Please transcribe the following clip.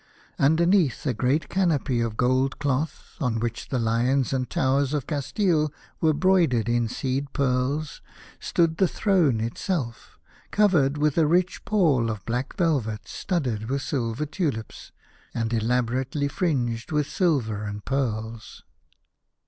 Underneath a great canopy of gold cloth, on which the lions and towers of Castile were broidered in seed pearls, stood the throne itself, covered with a rich pall of black velvet studded with silver tulips and 54 The Birthday of the Infanta. elaborately fringed with silver and pearls.